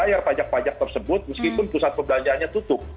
kami ingin bayar pajak pajak tersebut meskipun pusat pembelanjaannya tutup